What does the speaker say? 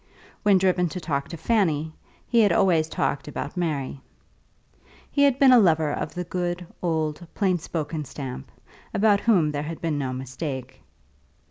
When driven to talk to Fanny, he had always talked about Mary. He had been a lover of the good, old, plainspoken stamp, about whom there had been no mistake.